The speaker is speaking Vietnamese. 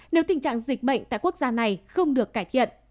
nếu tình trạng dịch bệnh tại quốc gia này không được cải thiện